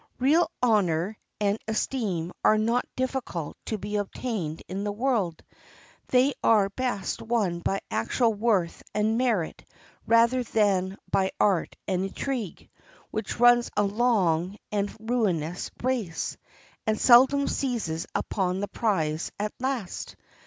Real honor and esteem are not difficult to be obtained in the world. They are best won by actual worth and merit rather than by art and intrigue, which runs a long and ruinous race, and seldom seizes upon the prize at last.